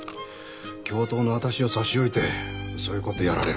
教頭の私を差し置いてそういうことやられると。